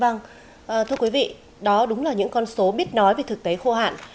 vâng thưa quý vị đó đúng là những con số biết nói về thực tế khô hạn